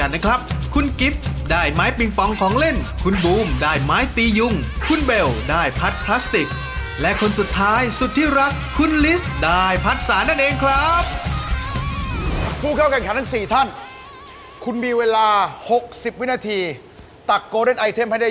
เรื่องไม่เสียอยู่ในใจค่ะของเขามันอยู่ที่ดวงด้วย